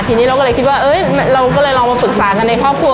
ทีนี้เราก็เลยคิดว่าเราก็เลยลองมาปรึกษากันในครอบครัว